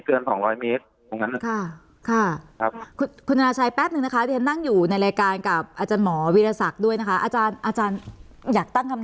เพราะว่าที่ทำงานที่เขาถ่ายกันมา